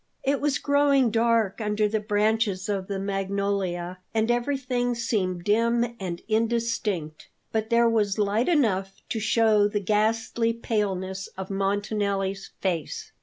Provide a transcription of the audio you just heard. It was growing dark under the branches of the magnolia, and everything seemed dim and indistinct; but there was light enough to show the ghastly paleness of Montanelli's face.